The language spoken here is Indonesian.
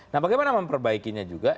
nah bagaimana memperbaikinya juga